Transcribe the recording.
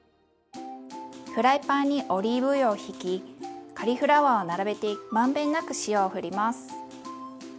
フライパンにオリーブ油をひきカリフラワーを並べて満遍なく塩をふります。